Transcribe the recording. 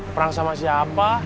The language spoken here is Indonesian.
perang sama siapa